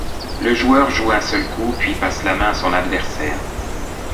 Le joueur joue un seul coup puis passe la main à son adversaire.